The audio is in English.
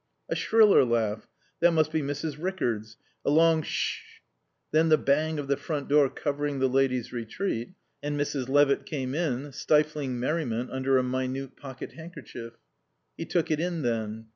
A shriller laugh that must be Mrs. Rickards a long Sh sh sh! Then the bang of the front door covering the lady's retreat, and Mrs. Levitt came in, stifling merriment under a minute pocket handkerchief. He took it in then.